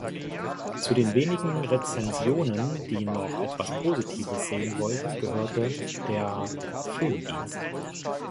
Zu den wenigen Rezensionen, die noch etwas Positives sehen wollten, gehörte der "Film Dienst".